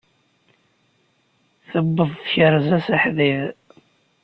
Tuweḍ tkerza s aḥdid.